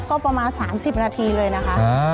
ก็ประมาณ๓๐นาทีเลยนะคะ